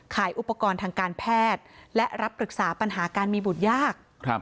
ขายอุปกรณ์ทางการแพทย์และรับปรึกษาปัญหาการมีบุตรยาก